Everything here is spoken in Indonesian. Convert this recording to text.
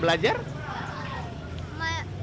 belajar di rumah baca baca buku